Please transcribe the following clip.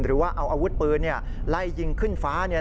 หรือว่าเอาอาวุธปืนไล่ยิงขึ้นฟ้าเนี่ย